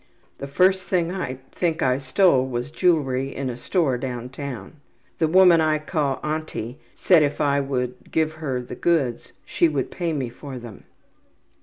The first thing I think I stole was jewelry in a store down town. The woman I call `auntie' said if I would give her the goods she would pay me for them.''